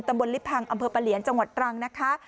ตำบลลิพังอำเภอปะเหลียนจังหวัดตรังนะคะ